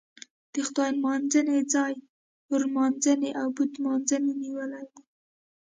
د خدای نمانځنې ځای اور نمانځنې او بت نمانځنې نیولی و.